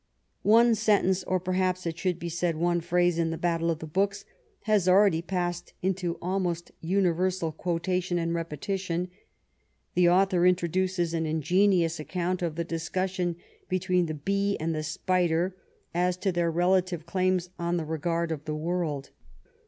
One sentence, or, perhaps, it should be said one phrase, in The Battle of the Books has already passed into almost universal quotation and repetition. The author introduces an ingenious account of the discus sion between the bee and the spider as to their relative claims on the regard of the world